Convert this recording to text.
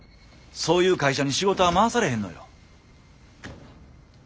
そういう会社に仕事は回されへんのよ。